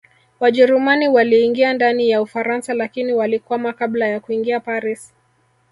Wajerumani waliingia ndani ya Ufaransa lakini walikwama kabla ya kuingia Paris